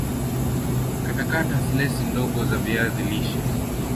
katakata slesi ndiogondogo za viazi lishe